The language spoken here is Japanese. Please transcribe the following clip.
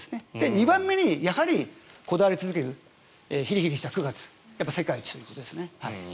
２番目に、やはりこだわり続けているヒリヒリする９月世界一というのが。